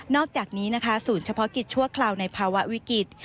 อกจากนี้นะคะศูนย์เฉพาะกิจชั่วคราวในภาวะวิกฤต